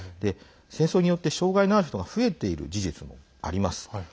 戦争によって、障害のある人が増えている事実もあります。